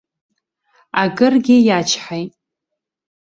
Акыргьы иачҳаит.